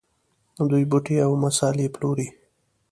دوی بوټي او مسالې پلوري.